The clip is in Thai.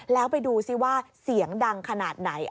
แล้วไปดูซิว่าเสียงดังขนาดไหน